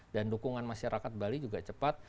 dan dukungan masyarakat bali juga cepat